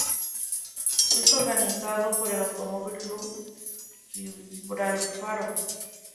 Es organizado por el Automóvil Club Gibralfaro.